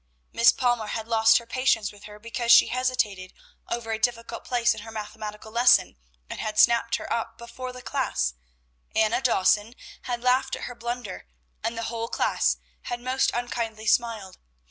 Miss Palmer had lost her patience with her because she hesitated over a difficult place in her mathematical lesson, and had snapped her up before the class; Anna Dawson had laughed at her blunder, and the whole class had most unkindly smiled.